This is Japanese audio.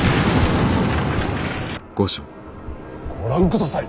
ご覧ください。